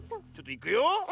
ちょっといくよ。